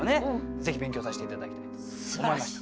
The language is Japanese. ぜひ勉強させて頂きたいと思いました。